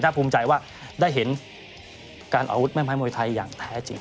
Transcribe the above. น่าภูมิใจได้เห็นการอรรพบวัดแม่ไม้มวยไทยอย่างแท้จริง